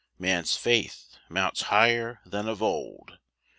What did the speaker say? Man's faith Mounts higher than of old.